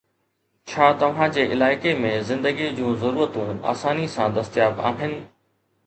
ڇا توهان جي علائقي ۾ زندگي جون ضرورتون آساني سان دستياب آهن؟